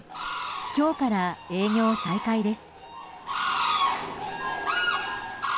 今日から営業再開です。